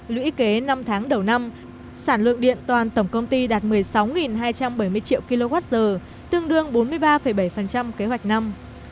lũy kế năm tháng đầu năm sản lượng điện toàn tổng công ty đạt một mươi sáu hai trăm bảy mươi triệu kwh tương đương bốn mươi ba bảy kế hoạch năm